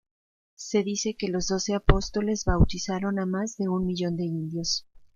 Se dice que los doce apóstoles bautizaron a más de un millón de indios.